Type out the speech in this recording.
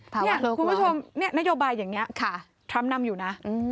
นี่คุณผู้ชมนี่นโยบายอย่างนี้ทรัมป์นำอยู่นะ